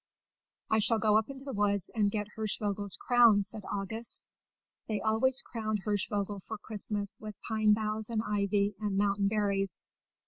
"I shall go up into the woods and get Hirschvogel's crown," said August; they always crowned Hirschvogel for Christmas with pine boughs and ivy and mountain berries.